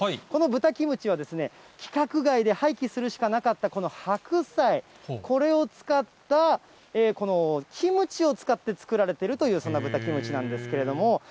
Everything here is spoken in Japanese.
この豚キムチは規格外で廃棄するしかなかったこの白菜、これを使った、このキムチを使って作られているという、そんな豚キムチなんですけれども。